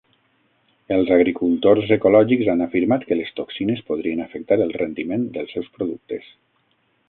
Els agricultors ecològics han afirmat que les toxines podrien afectar el rendiment dels seus productes.